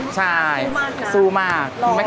ใช่สู้มากค่ะสู้มาก